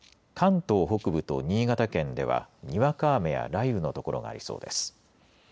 関東北部と新潟県ではにわか雨や雷雨の所がありそうです。